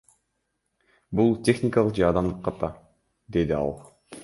Бул техникалык же адамдык ката, — деди ал.